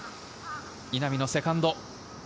稲見のセカンド。